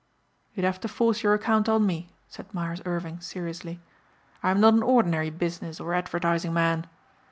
"You'd have to force your account on me," said Myers Irving seriously. "I'm not an ordinary business or advertising man.